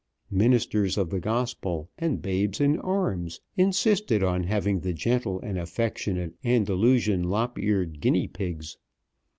Ministers of the gospel and babes in arms insisted on having the gentle and affectionate Andalusian lop eared guinea pigs.